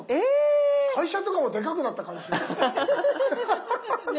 会社とかもでかくなった感じしますね。